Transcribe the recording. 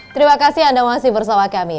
terima kasih anda masih bersama kami